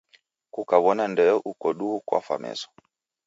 Kukaw'ona ndeyo uko duhu kwafwa meso.